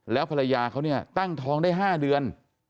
แล้วภรรยาเขาเนี่ยตั้งท้องได้๕เดือน